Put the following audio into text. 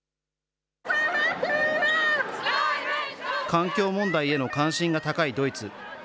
環境問題への関心が高いドイツ。